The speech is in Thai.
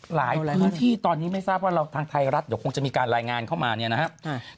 หลายพื้นที่ตอนนี้ไม่ทราบว่าเราทางไทยรัฐเดี๋ยวคงจะมีการรายงานเข้ามาเนี่ยนะครับ